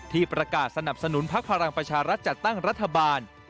ที่ประกาศสนับสนุนพักพลังประชารัฐจัดตั้งรัฐบาล